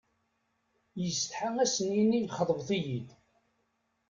Yessetḥa ad sen-yini xeḍbet-iyi-d.